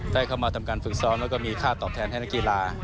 เข้ามาทำการฝึกซ้อมแล้วก็มีค่าตอบแทนให้นักกีฬา